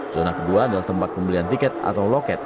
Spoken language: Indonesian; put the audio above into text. zona kedua adalah tempat pembelian tiket atau loket